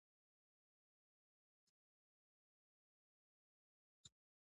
مالي توانمندي د هڅو پایله ده.